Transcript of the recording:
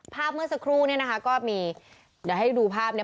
เมื่อสักครู่เนี่ยนะคะก็มีเดี๋ยวให้ดูภาพเนี่ย